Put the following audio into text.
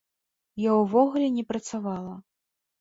Я ўвогуле не працавала.